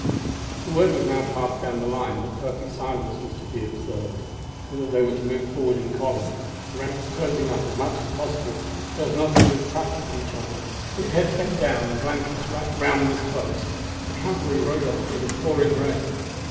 The word was now passed down the line that perfect silence was to be observed, and that they were to move forward in column, the ranks closing up as much as possible so as not to lose touch of each other. With heads bent down, and blankets wrapped round them as cloaks, the cavalry rode off through the pouring rain.